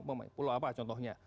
pulau apa contohnya